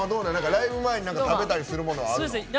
ライブ前に食べたりするのあるの？